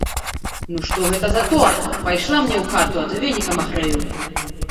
Ну, што гэта за торг, пайшла мне ў хату, а то венікам агрэю.